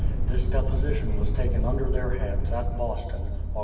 This deposition was taken under their hands at Boston, Aug.